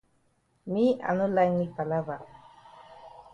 Me I no like me palava.